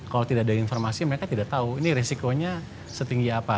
kalau tidak ada informasi mereka tidak tahu ini risikonya setinggi apa